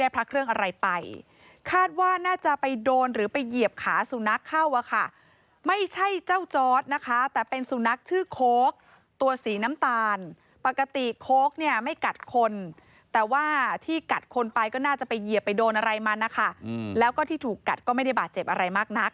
เป็นสูงนักชื่อโค้กตัวสีน้ำตาลปกติโค้กเนี่ยไม่กัดคนแต่ว่าที่กัดคนไปก็น่าจะไปเหยียบไปโดนอะไรมันนะคะแล้วก็ที่ถูกกัดก็ไม่ได้บาดเจ็บอะไรมากนัก